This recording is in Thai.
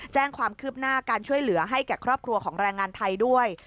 แจ้งความคืบหน้าการช่วยเหลือให้แก่ครอบครัวของแรงงานไทยด้วย